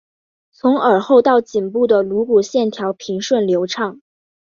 从耳后到颈部的颅骨线条平滑流畅。